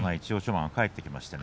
馬が帰ってきました。